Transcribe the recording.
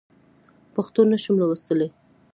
پښتو نه شم لوستلی.